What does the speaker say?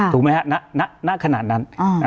ถูกไหมครับณขนาดนั้น